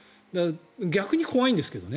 逆に怖いんですけどね。